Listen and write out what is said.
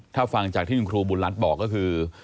ถ้าฟังจากที่คุณครูบุญรัฐบอกก็คือ